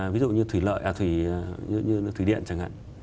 ví dụ như thủy lợi à thủy điện chẳng hạn